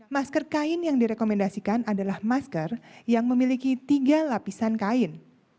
masker kain yang direkomendasikan adalah masker yang memiliki tiga lapisan kain